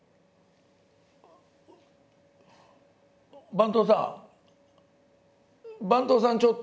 「番頭さん番頭さんちょっと」。